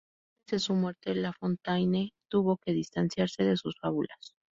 Antes de su muerte, La Fontaine tuvo que distanciarse de sus fábulas.